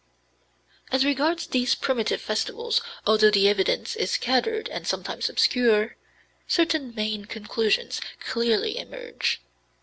As regards these primitive festivals, although the evidence is scattered and sometimes obscure, certain main conclusions clearly emerge.